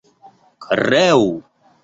kreu